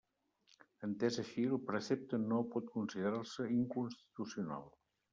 Entès així, el precepte no pot considerar-se inconstitucional.